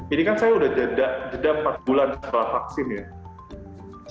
ini kan saya sudah jeda empat bulan setelah vaksin ya